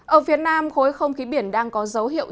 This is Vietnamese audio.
ở phía nam khối không khí biển đang có dấu hiệu